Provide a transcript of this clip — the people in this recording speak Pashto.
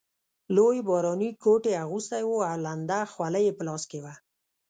لوی باراني کوټ یې اغوستی وو او لنده خولۍ یې په لاس کې وه.